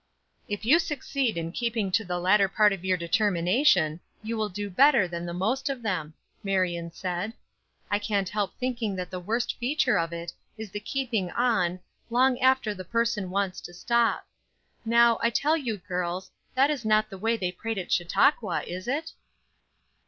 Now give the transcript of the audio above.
"If you succeed in keeping to the latter part of your determination you will do better than the most of them," Marion said. "I can't help thinking that the worst feature of it is the keeping on, long after the person wants to stop. Now, I tell you, girls, that is not the way they prayed at Chautauqua, is it?"